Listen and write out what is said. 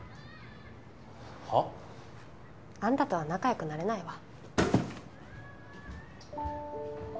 はあ？あんたとは仲良くなれないわ。